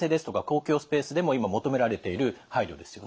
公共スペースでも今求められている配慮ですよね。